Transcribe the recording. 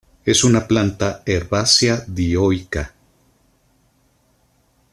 Es una planta herbácea dioica.